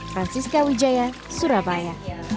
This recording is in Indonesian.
francisca wijaya surabaya